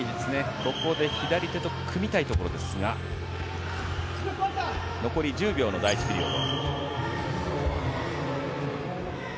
ここで左手と組みたいところですが、残りは１０秒の第１ピリオド。